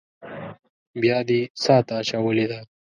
بيا دې څاه ته اچولې ده.